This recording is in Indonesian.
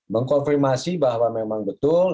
mengkonfirmasi bahwa memang betul